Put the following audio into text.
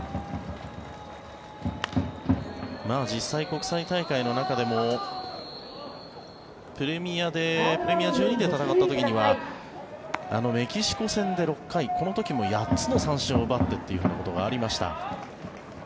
実際、国際大会の中でもプレミア１２で戦った時にはメキシコ戦で６回この時も８つの三振を奪ってということがありました。